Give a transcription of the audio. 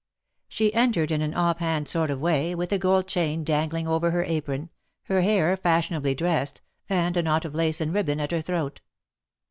She entered in an off hand sort of way, with a gold chain dangling over her apron, her hair fashionably dressed, and a knot of lace and ribbon at her throat.